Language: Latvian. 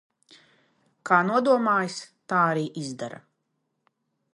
Kā nodomājusi, tā arī izdara.